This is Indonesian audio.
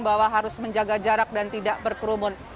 bahwa harus menjaga jarak dan tidak berkerumun